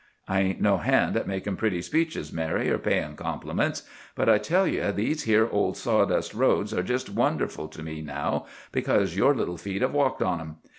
I ain't no hand at making pretty speeches, Mary, or paying compliments, but I tell you these here old sawdust roads are just wonderful to me now, because your little feet have walked on 'em.